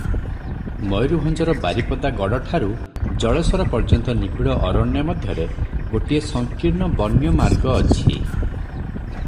ମୟୂରଭଞ୍ଜର ବାରିପଦା ଗଡଠାରୁ ଜଳେଶ୍ୱର ପର୍ଯ୍ୟନ୍ତ ନିବିଡ଼ ଅରଣ୍ୟ ମଧ୍ୟରେ ଗୋଟିଏ ସଂକୀର୍ଣ୍ଣ ବନ୍ୟ ମାର୍ଗ ଅଛି ।